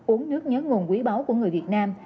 uống nước nhớ nguồn quý báu của người việt nam